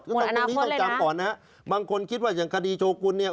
หมุนอนาคตเลยนะคุณต้องจำก่อนนะบางคนคิดว่าอย่างคดีโชคุณเนี่ย